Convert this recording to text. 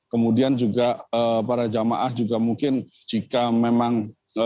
kemudian juga para jamaah juga mungkin jika memang